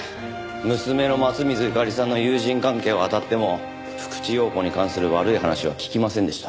娘の松水友加里さんの友人関係をあたっても福地陽子に関する悪い話は聞きませんでした。